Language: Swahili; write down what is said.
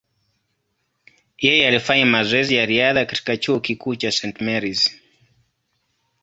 Yeye alifanya mazoezi ya riadha katika chuo kikuu cha St. Mary’s.